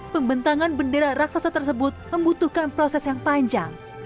pembentangan bendera raksasa tersebut membutuhkan proses yang panjang